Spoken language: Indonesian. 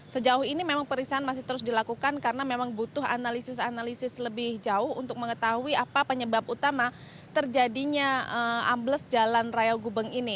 sejauh ini memang periksaan masih terus dilakukan karena memang butuh analisis analisis lebih jauh untuk mengetahui apa penyebab utama terjadinya ambles jalan raya gubeng ini